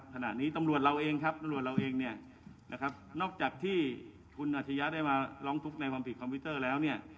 ขณะนี้ตำรวจเราเองนอกจากที่คุณอาชญะได้มาร้องทุกข์ในความผิดคอมพิวเตอร์แล้ว